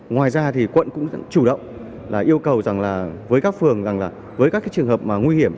ngoài ra thì quận cũng chủ động yêu cầu với các phường với các trường hợp nguy hiểm